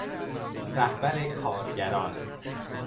رهبر کارگران